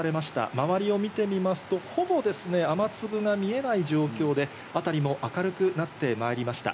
周りを見てみますと、ほぼ雨粒が見えない状況で、あたりも明るくなってまいりました。